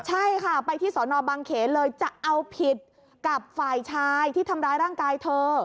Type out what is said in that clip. ใช่ค่ะไปที่สอนอบังเขนเลยจะเอาผิดกับฝ่ายชายที่ทำร้ายร่างกายเธอ